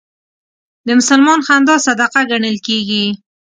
د مسلمان خندا صدقه ګڼل کېږي.